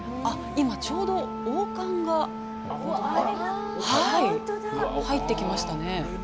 ちょうど王冠が入ってきましたね。